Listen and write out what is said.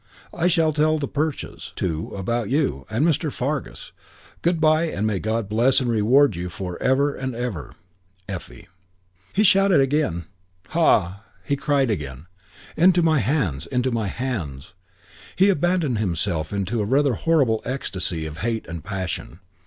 And I shall tell the Perches, too, about you, and Mr. Fargus. Good by and may God bless and reward you for ever and ever, Effie. II He shouted again, "Ha!" He cried again, "Into my hands! Into my hands!" He abandoned himself to a rather horrible ecstasy of hate and passion.